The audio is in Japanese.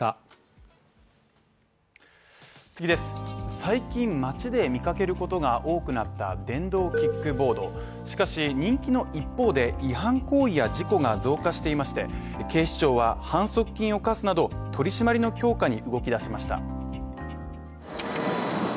最近、街で見かけることが多くなった電動キックボードしかし人気の一方で、違反行為や事故が増加していまして警視庁は、反則金を科すなど、取り締まりの強化に動き出しました。